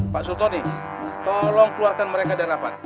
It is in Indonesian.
pak sultoni tolong keluarkan mereka dari rapat